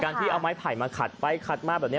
ที่เอาไม้ไผ่มาขัดไปขัดมาแบบนี้